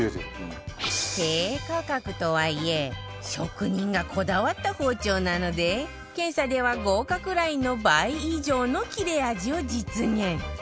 低価格とはいえ職人がこだわった包丁なので検査では合格ラインの倍以上の切れ味を実現